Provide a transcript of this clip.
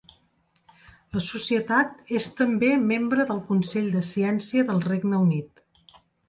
La Societat és també membre del Consell de Ciència del Regne Unit.